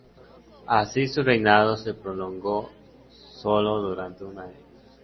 Así, su reinado se prolongó solo durante un año.